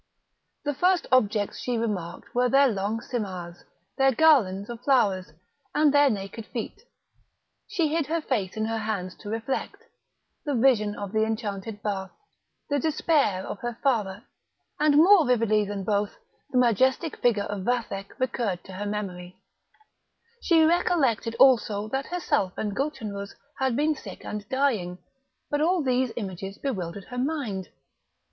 The first objects she remarked were their long simars, their garlands of flowers, and their naked feet; she hid her face in her hands to reflect; the vision of the enchanted bath, the despair of her father, and, more vividly than both, the majestic figure of Vathek recurred to her memory; she recollected also that herself and Gulchenrouz had been sick and dying; but all these images bewildered her mind.